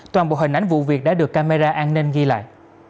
toàn bộ hình ảnh vụ việc đã được camera an ninh ghi lại